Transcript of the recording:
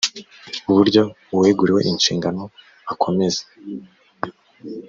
buryo uweguriwe inshingano akomeza